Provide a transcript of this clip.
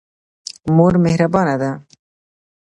مور مهربانه ده.